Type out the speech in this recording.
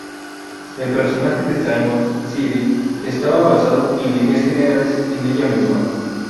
El personaje de Simmons, Siri, estaba basado, en líneas generales, en ella misma.